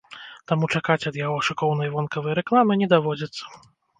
Таму чакаць ад яго шыкоўнай вонкавай рэкламы не даводзіцца.